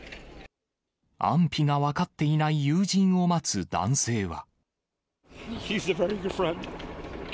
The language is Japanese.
安否が分かっていない友人を待つ男性は。